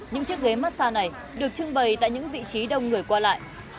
những chiếc ghế massage này được trưng bày tại những vị trí đông người qua lại